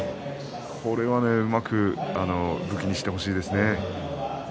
これはうまく武器にしてほしいですね。